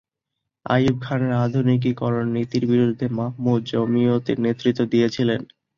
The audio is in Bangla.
আইয়ুব খানের আধুনিকীকরণ নীতির বিরুদ্ধে মাহমুদ জমিয়তের নেতৃত্ব দিয়েছিলেন।